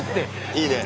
いいね！